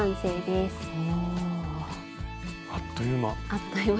あっという間。